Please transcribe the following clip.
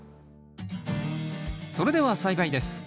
それでは栽培です。